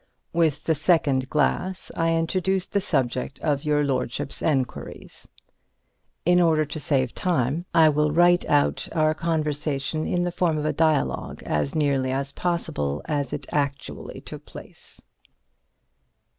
With the second glass I introduced the subject of your lordship's enquiries. In order to save time I will write our conversation in the form of a dialogue, as nearly as possible as it actually took place.